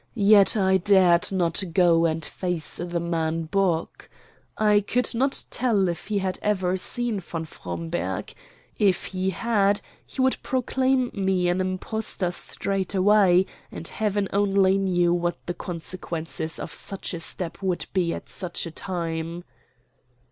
Yet I dared not go and face the man Bock. I could not tell if he had ever seen von Fromberg. If he had, he would proclaim me an impostor straight away; and Heaven only knew what the consequences of such a step would be at such a time.